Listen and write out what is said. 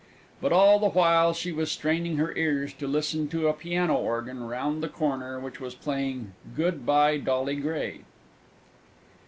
But all the while she was straining her ears to listen to a piano organ round the corner which was playing "Good bye, Dolly Gray!"